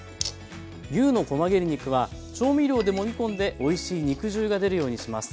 牛のこま切れ肉は調味料でもみ込んでおいしい肉汁が出るようにします。